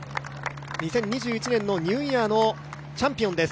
２０２１年のニューイヤーのチャンピオンです。